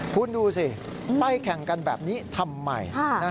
คุณดูสิไปแข่งกันแบบนี้ทำไม